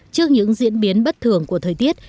trước những diễn biến bất thường của thời tiết